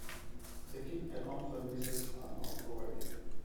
Checking account services are not provided.